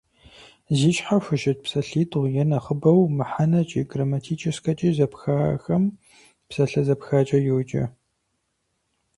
Зи щхьэ хущыт псалъитӏу е нэхъыбэу мыхьэнэкӏи грамматическэкӏи зэпхахэм псалъэ зэпхакӏэ йоджэ.